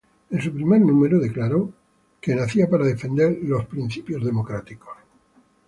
En su primer número declaró que nacía para defender los principios católicos.